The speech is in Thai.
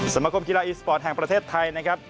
สมคมกีฬาอีสปอร์ตแห่งประเทศไทยนะครับ